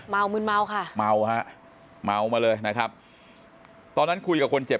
มืนเมาค่ะเมาฮะเมามาเลยนะครับตอนนั้นคุยกับคนเจ็บ